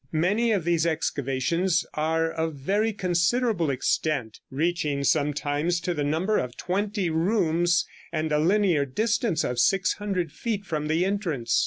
Many of these excavations are of very considerable extent, reaching sometimes to the number of twenty rooms, and a linear distance of 600 feet from the entrance.